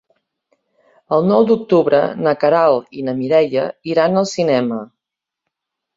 El nou d'octubre na Queralt i na Mireia iran al cinema.